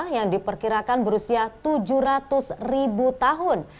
yang diperkirakan berusia tujuh ratus ribu tahun